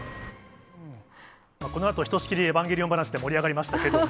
このあとひとしきりエヴァンゲリオン話で盛り上がりましたけども。